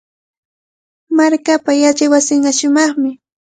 Markaapa yachaywasinqa shumaqmi.